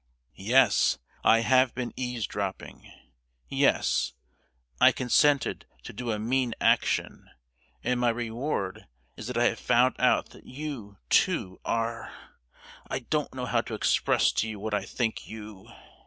"Yes, I have been eavesdropping! Yes—I consented to do a mean action, and my reward is that I have found out that you, too, are——I don't know how to express to you what I think you!"